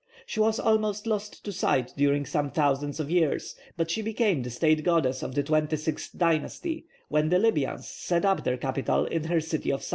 She was almost lost to sight during some thousands of years, but she became the state goddess of the twenty sixth dynasty, when the Libyans set up their capital in her city of Sais.